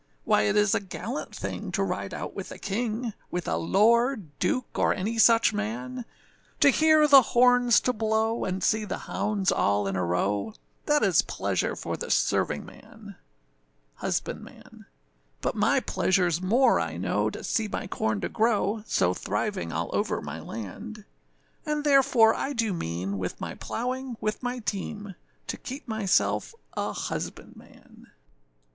Why it is a gallant thing to ride out with a king, With a lord, duke, or any such man; To hear the horns to blow, and see the hounds all in a row, That is pleasure for the servingman. HUSBANDMAN. But my pleasureâs more I know, to see my corn to grow, So thriving all over my land; And, therefore, I do mean, with my plowing with my team, To keep myself a husbandman.